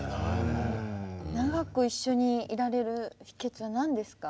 長く一緒にいられる秘けつは何ですか？